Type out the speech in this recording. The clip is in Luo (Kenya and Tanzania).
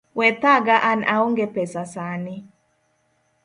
We thaga an aonge pesa sani